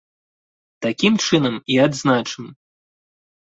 Такім чынам і адзначым!